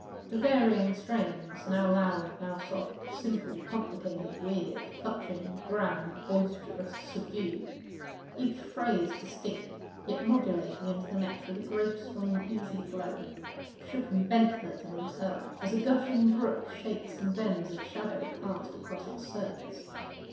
The varying strains now loud, now soft; simple, complicated, weird, touching, grand, boisterous, subdued; each phase distinct, yet modulating into the next with a graceful and easy flow shook and bent her to themselves, as a gushing brook shakes and bends a shadow cast across its surface.